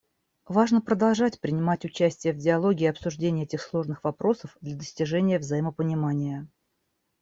Важно продолжать принимать участие в диалоге и обсуждении этих сложных вопросов для достижения взаимопонимания.